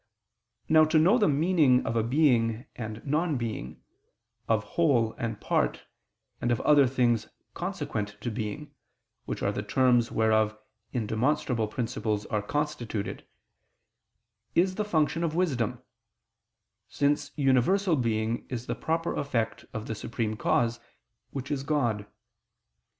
Now to know the meaning of being and non being, of whole and part, and of other things consequent to being, which are the terms whereof indemonstrable principles are constituted, is the function of wisdom: since universal being is the proper effect of the Supreme Cause, which is God.